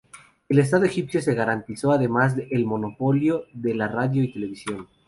El estado egipcio se garantizó además el monopolio de la radio y televisión.